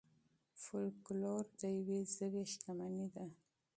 فولکلور د یوې ژبې شتمني ده.